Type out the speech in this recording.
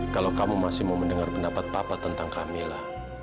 kalau kamu masih mau mendengar pendapat papa tentang kamila